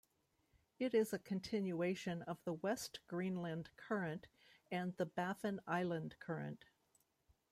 It is a continuation of the West Greenland Current and the Baffin Island Current.